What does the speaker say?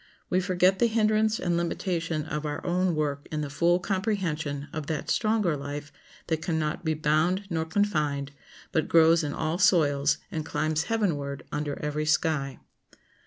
We forget the hindrance and limitation of our own work in the full comprehension of that stronger life that can not be bound nor confined, but grows in all soils, and climbs heavenward under every sky.